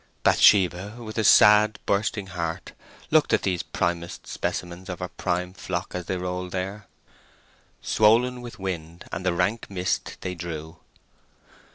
Bathsheba, with a sad, bursting heart, looked at these primest specimens of her prime flock as they rolled there— Swoln with wind and the rank mist they drew.